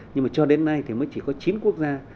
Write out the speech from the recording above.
nhưng mà cho đến nay thì mới chỉ có chín quốc gia